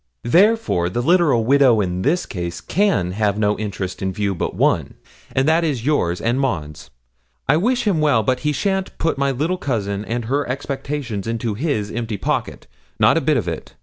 'Therefore the literal widow in this case can have no interest in view but one, and that is yours and Maud's. I wish him well, but he shan't put my little cousin and her expectations into his empty pocket not a bit of it.